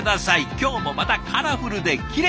今日もまたカラフルできれい！